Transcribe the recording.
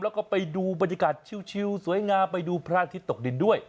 แล้วก็ไปดูบรรยากาศชิวสวยงามไปดูพระอาทิตย์ตกดินด้วย